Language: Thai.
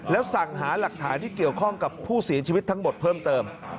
แล้วสั่งหาหลักฐานที่เกี่ยวข้องกับผู้เสียชีวิตทั้งหมดเพิ่มเติม